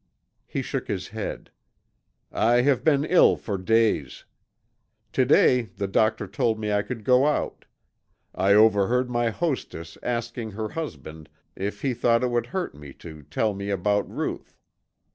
He shook his head. "I have been ill for days. To day the doctor told me I could go out. I overheard my hostess asking her husband if he thought it would hurt me to tell me about Ruth.